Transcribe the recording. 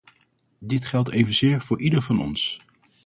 Dit geldt evenzeer voor ieder van ons.